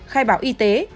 khai báo y tế